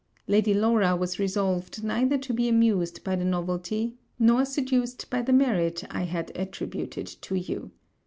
Lady Laura was resolved neither to be amused by the novelty, nor seduced by the merit I had attributed to you.